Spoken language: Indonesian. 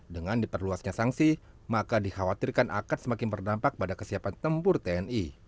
dengan diperluasnya sanksi maka dikhawatirkan akan semakin berdampak pada kesiapan tempur tni